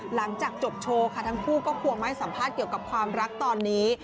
หลังจากจบโชว์ค่ะทั้งคู่ก็ควงมาให้สัมภาษณ์เกี่ยวกับความรักตอนนี้